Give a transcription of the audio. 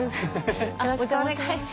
よろしくお願いします。